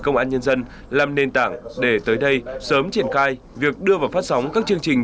công an nhân dân làm nền tảng để tới đây sớm triển khai việc đưa vào phát sóng các chương trình